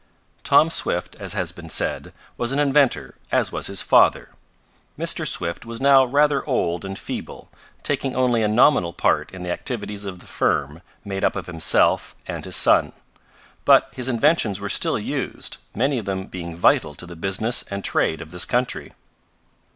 Tom Swift, as has been said, was an inventor, as was his father. Mr. Swift was now rather old and feeble, taking only a nominal part in the activities of the firm made up of himself and his son. But his inventions were still used, many of them being vital to the business and trade of this country.